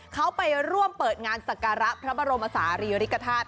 เขาไปร่วมเปิดงานศักระพระบรมศาลีริกฐาตุ